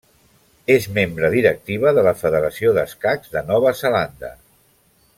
És membre directiva de la Federació d'Escacs de Nova Zelanda.